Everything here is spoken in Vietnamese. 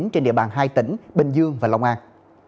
trên địa bàn hai tỉnh bình dương và long an